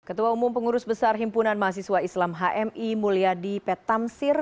ketua umum pengurus besar himpunan mahasiswa islam hmi mulyadi petamsir